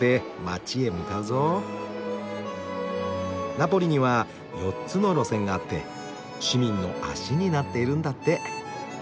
ナポリには４つの路線があって市民の足になっているんだって。